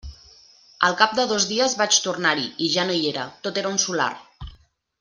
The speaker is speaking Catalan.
Al cap de dos dies vaig tornar-hi i ja no hi era: tot era un solar.